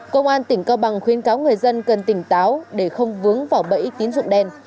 công an tỉnh cao bằng khuyên cáo người dân cần tỉnh táo để không vướng vào bẫy tín dụng đen